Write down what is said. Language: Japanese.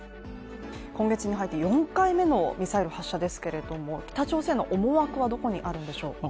今月に入って４回目のミサイル発射ですけれども、北朝鮮の思惑はどこにあるんでしょう